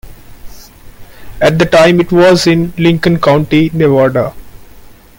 At the time, it was in Lincoln County, Nevada.